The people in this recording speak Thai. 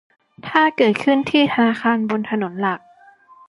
ถ้าเกิดขึ้นที่ธนาคารบนถนนหลัก